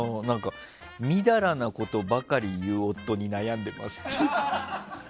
みだらなことばかり言う夫に悩んでますって。